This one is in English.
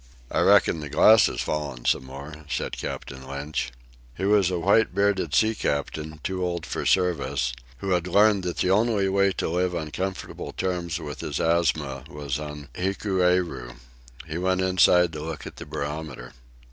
"I reckon the glass has fallen some more," said Captain Lynch. He was a white bearded sea captain, too old for service, who had learned that the only way to live on comfortable terms with his asthma was on Hikueru. He went inside to look at the barometer.